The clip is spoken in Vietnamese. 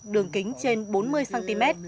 đường kính trên bốn mươi cm